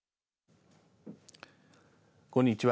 こんにちは。